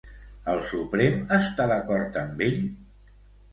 El suprem està d'acord amb ell?